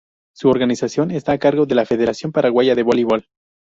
Su organización está a cargo de la Federación Paraguaya de Voleibol.